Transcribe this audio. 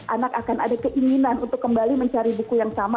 anak akan ada keinginan untuk kembali mencari buku yang sama